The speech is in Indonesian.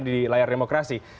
di layar demokrasi